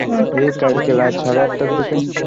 দাড়া, সিম্বা!